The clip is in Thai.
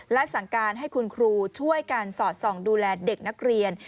และสั่งการให้คุณครูช่วยกันสอดส่องดูแลเด็กนักเรียน